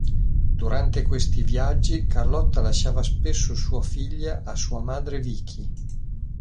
Durante questi viaggi, Carlotta lasciava spesso sua figlia a sua madre Vicky.